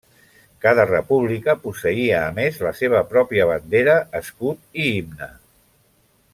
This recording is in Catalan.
Cada república posseïa a més la seva pròpia bandera, escut i himne.